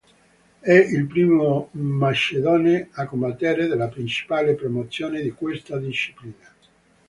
È il primo macedone a combattere nella principale promozione di questa disciplina.